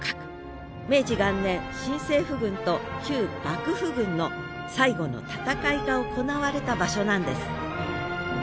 明治元年新政府軍と旧幕府軍の最後の戦いが行われた場所なんです